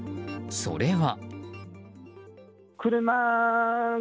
それは。